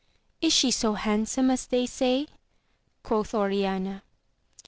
Is she so handsome as they say? quoth Oriana.